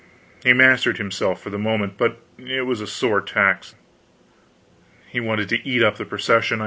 He mastered himself for the moment, but it was a sore tax; he wanted to eat up the procession.